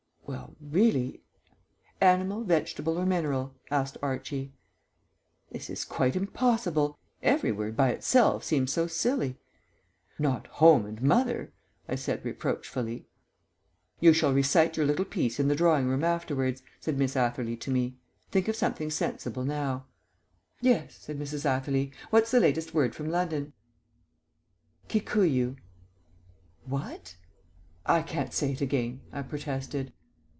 "Well, really " "Animal, vegetable, or mineral?" asked Archie. "This is quite impossible. Every word by itself seems so silly." "Not 'home' and 'mother,'" I said reproachfully. "You shall recite your little piece in the drawing room afterwards," said Miss Atherley to me. "Think of something sensible now." "Yes," said Mrs. Atherley. "What's the latest word from London?" "Kikuyu." "What?" "I can't say it again," I protested.